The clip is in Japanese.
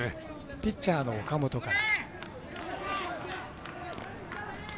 ピッチャーの岡本から。